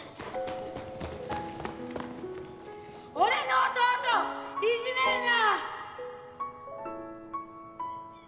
俺の弟をいじめるな！